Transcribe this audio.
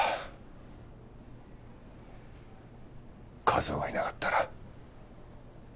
一男がいなかったら。